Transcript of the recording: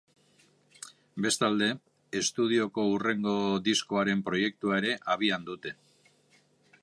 Bestalde, estudioko hurrengo diskoaren proiektua ere abian dute.